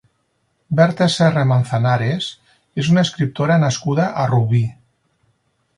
Berta Serra Manzanares és una escriptora nascuda a Rubí.